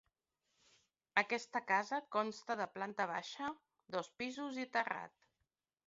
Aquesta casa consta de planta baixa, dos pisos i terrat.